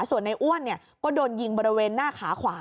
ส่วนในอ้วนก็โดนยิงบริเวณหน้าขาขวา